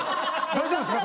大丈夫ですか？